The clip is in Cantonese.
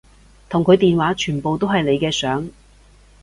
同佢電話全部都係你嘅相